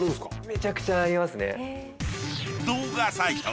めちゃくちゃありますね。